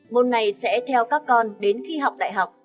môn này sẽ theo các con đến khi học đại học